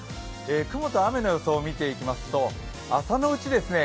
雲と雨の予想を見ていきますと朝のうちですね